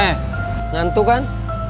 eh ngantuk kan